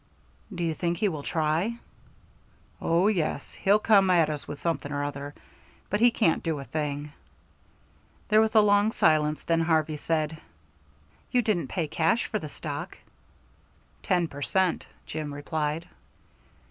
"Do you think he will try?" "Oh, yes, he'll come at us with something or other. But he can't do a thing." There was a long silence, then Harvey said, "You didn't pay cash for the stock?" "Ten per cent," Jim replied.